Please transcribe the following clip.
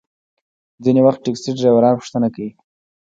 ځینې وخت ټکسي ډریوران پوښتنه کوي.